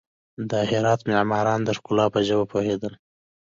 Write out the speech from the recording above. د هرات معماران د ښکلا په ژبه پوهېدل.